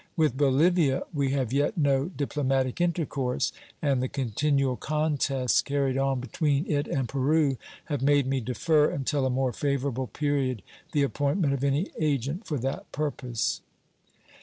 With Bolivia we have yet no diplomatic intercourse, and the continual contests carried on between it and Peru have made me defer until a more favorable period the appointment of any agent for that purpose.